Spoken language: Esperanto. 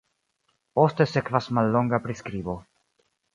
Poste sekvas mallonga priskribo.